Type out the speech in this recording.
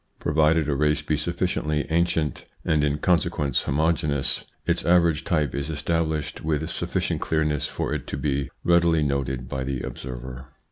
Provided a race be sufficiently ancient, and in con sequence homogeneous, its average type is established with sufficient clearness for it to be readily noted by the observer.